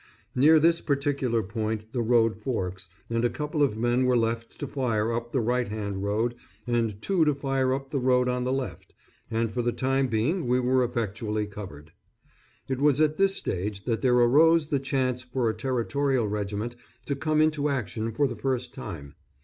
Near this particular point the road forks, and a couple of men were left to fire up the right hand road and two to fire up the road on the left, and for the time being we were effectually covered. It was at this stage that there arose the chance for a Territorial regiment to come into action for the first time.